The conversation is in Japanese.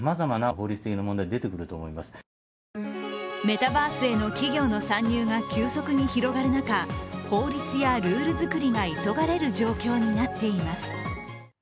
メタバースへの企業の参入が急速に広がる中、法律やルール作りが急がれる状況になっています。